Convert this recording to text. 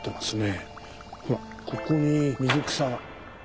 ほらここに水草が。